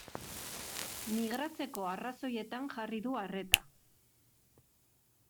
Migratzeko arrazoietan jarri du arreta.